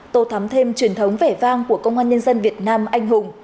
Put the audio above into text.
tô thắm thêm truyền thống vẻ vang của công an nhân dân việt nam anh hùng